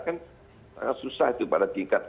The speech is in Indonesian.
kan susah itu pada tingkat